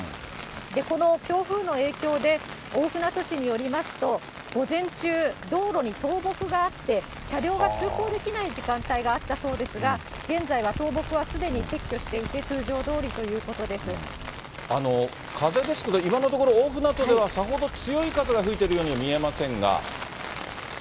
この強風の影響で、大船渡市によりますと、午前中、道路に倒木があって、車両が通行できない時間帯があったそうですが、現在は倒木はすでに撤去していて、風ですけれども、今のところ大船渡ではさほど強い風が吹いているようには見えませんが。